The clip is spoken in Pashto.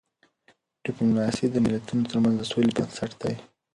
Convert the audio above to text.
ډيپلوماسی د ملتونو ترمنځ د سولې بنسټ دی.